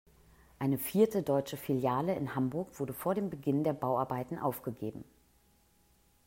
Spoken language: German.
Eine vierte deutsche Filiale in Hamburg wurde vor dem Beginn der Bauarbeiten aufgegeben.